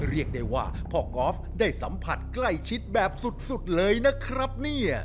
เรียกได้ว่าพ่อกอล์ฟได้สัมผัสใกล้ชิดแบบสุดเลยนะครับเนี่ย